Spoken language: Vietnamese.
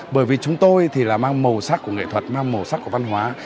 bởi vì chúng tôi thì là mang màu sắc của nghệ thuật mang màu sắc của văn hóa